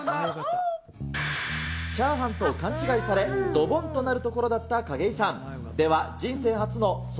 チャーハンと勘違いされ、ドボンとなるところだった景井さん。